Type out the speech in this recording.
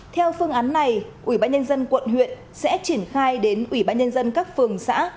theo phương án này ủy ban nhân dân quận huyện sẽ triển khai đến ủy ban nhân dân các phường xã